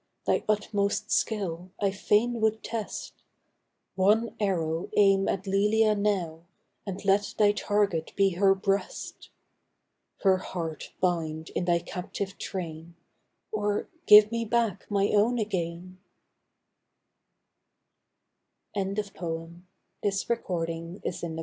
Thy utmost skill I fain would test ; One arrow aim at Lelia now, And let thy target be her breast ! Her heart bind in thy captive train, Or give me back my own again 1 THE DREAM OF LOVE.